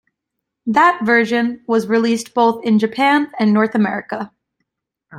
That version was released both in Japan and North America.